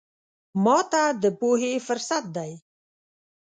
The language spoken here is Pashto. ماته د پوهې فرصت دی.